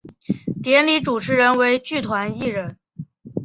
典礼主持人为剧团一人。